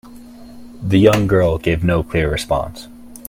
The young girl gave no clear response.